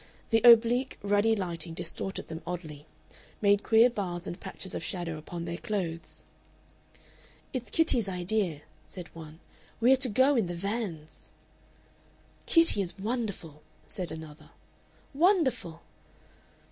The oblique ruddy lighting distorted them oddly, made queer bars and patches of shadow upon their clothes. "It's Kitty's idea," said one, "we are to go in the vans." "Kitty is wonderful," said another. "Wonderful!"